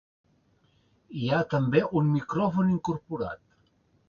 Hi ha també un micròfon incorporat.